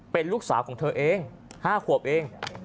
เป็นลูกสาวของเธอเอง๕ขวบเอง